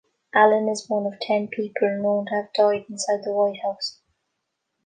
Allen is one of ten people known to have died inside the White House.